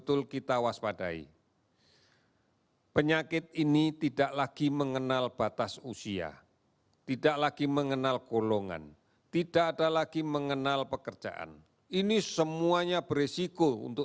terima kasih satu ratus empat belas sen alleen sembilan self tropik person confrontation masalah negara corona